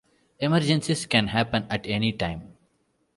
Emergencies can happen at any time.